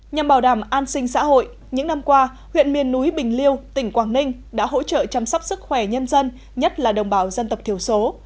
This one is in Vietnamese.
nhằm bảo đảm an sinh xã hội những năm qua huyện miền núi bình liêu tỉnh quảng ninh đã hỗ trợ chăm sóc sức khỏe nhân dân nhất là đồng bào dân tộc thiểu số